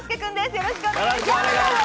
よろしくお願いします。